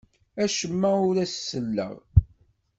Acemma ur as-selleɣ.